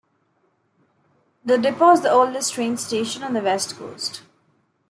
The depot is the oldest train station on the west coast.